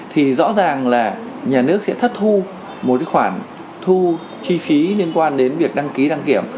thì rõ ràng là nhà nước sẽ thất thu một khoản thu chi phí liên quan đến việc đăng ký đăng kiểm